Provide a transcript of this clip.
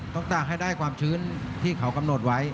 ตากให้ได้ความชื้นที่เขากำหนดไว้